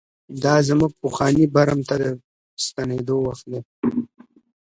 دا زموږ پخواني برم ته د ستنېدو وخت دی.